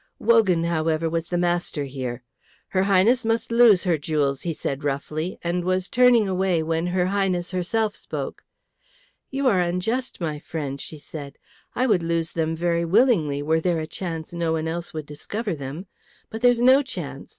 Wogan, however, was the master here. "Her Highness must lose her jewels," he said roughly, and was turning away when her Highness herself spoke. "You are unjust, my friend," she said. "I would lose them very willingly, were there a chance no one else would discover them. But there's no chance.